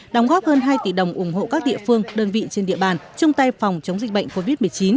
đóng góp hơn hai tỷ đồng ủng hộ các địa phương đơn vị trên địa bàn chung tay phòng chống dịch bệnh covid một mươi chín